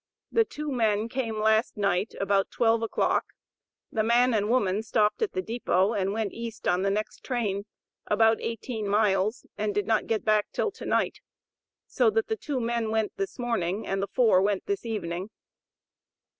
The two men came last night, about twelve o'clock; the man and woman stopped at the depot, and went east on the next train, about eighteen miles, and did not get back till to night, so that the two men went this morning, and the four went this evening.